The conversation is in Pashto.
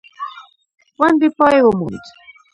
غونډې پای وموند.